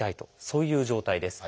そういう状態です。